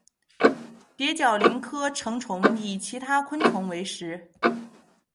蝶角蛉科成虫以其他昆虫为食。